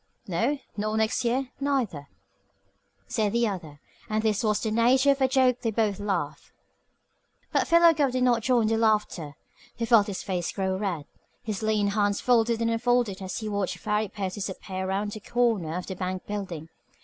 "No, nor next year, neither," said the other; and as this was in the nature of a joke they both laughed. But Philo Gubb did not join their laughter. He felt his face grow red. His lean hands folded and unfolded as he watched Farry Pierce disappear around the corner of the bank building.